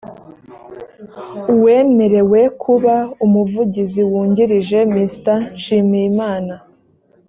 uwemerewe kuba umuvugizi wungirije mr nshimiyimana